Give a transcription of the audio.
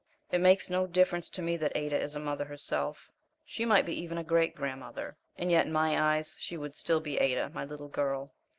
It makes no difference to me that Ada is a mother herself; she might be even a great grandmother, and yet in my eyes she would still be Ada, my little girl.